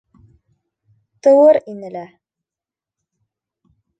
Тыуыр ине лә...